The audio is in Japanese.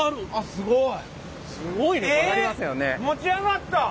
すごい！